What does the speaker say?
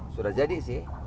sudah jadi sih